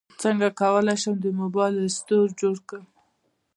څنګه کولی شم د موبایل رسټور جوړ کړم